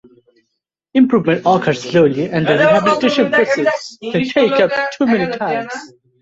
Improvements occur slowly and the rehabilitation process can take up to many years.